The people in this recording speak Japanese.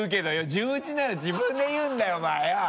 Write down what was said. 順打ちなら自分で言うんだよお前よ！